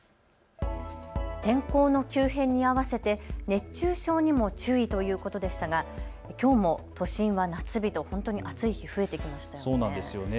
天候の急変に合わせて熱中症にも注意ということでしたがきょうも都心は夏日と本当に暑い日、増えてきましたよね。